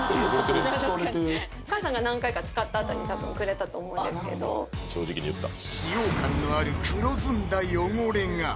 お母さんが何回か使ったあとに多分くれたと思うんですけど使用感のある黒ずんだ汚れが！